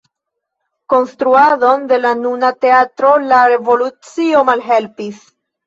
Konstruadon de la nuna teatro la revolucio malhelpis.